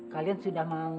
kalian sudah mau